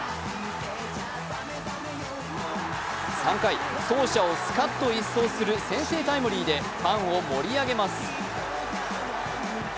３回、走者をスカッと一掃する先制タイムリーでファンを盛り上げます。